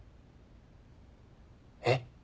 えっ？